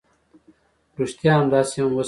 ريښتيا همداسې هم وشول.